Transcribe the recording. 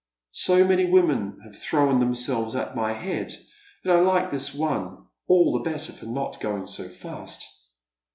So many women have thrown themselves at my head, that 1 like this one all the better for not going so fast.